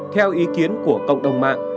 theo ý kiến của cộng đồng mạng